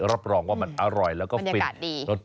รับรองว่ามันอร่อยแล้วก็ฟินบรรยากาศดี